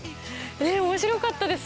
面白かったです